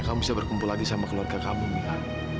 kamu bisa berkumpul lagi sama keluarga kamu mila